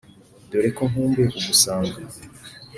Dore ko nkumbuye kugusanga